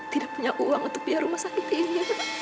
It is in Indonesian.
tidak punya uang untuk biaya rumah sakit ini